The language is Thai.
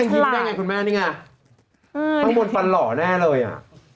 ยิ้มได้ไงคุณแม่นี่ไงข้างบนฟันหล่อแน่เลยอ่ะ